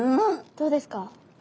どうですか？